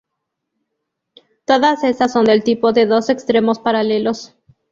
Todas estas son del tipo de dos extremos paralelos.